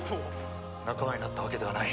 仲間になったわけではない。